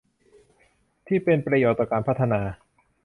ที่เป็นประโยชน์ต่อการพัฒนา